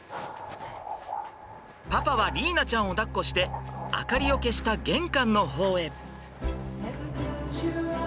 パパは莉依菜ちゃんをだっこして明かりを消した玄関の方へ。